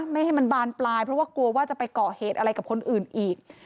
ไม่ให้มันบานปลายเพราะว่ากลัวว่าจะไปก่อเหตุอะไรกับคนอื่นอีก